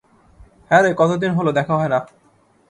হ্যাঁ রে, কত দিন হল দেখা হয়না।